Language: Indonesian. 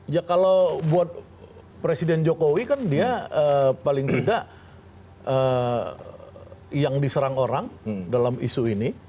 ya kalau buat presiden jokowi kan dia paling tidak yang diserang orang dalam isu ini